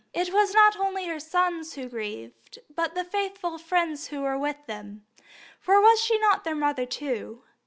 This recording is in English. It was not only her sons who grieved, but the faithful friends who were with them, for was she not their mother too?